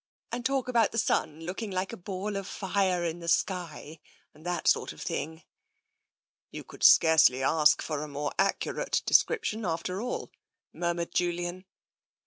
and talk about the sun looking like a ball of fire in the sky and that sort of thing." " You could scarcely ask for a more accurate de scription, after all,'* murmured Julian.